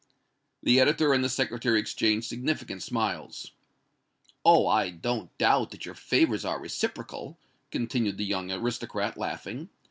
The editor and the Secretary exchanged significant smiles. "Oh! I don't doubt that your favors are reciprocal," continued the young aristocrat, laughing.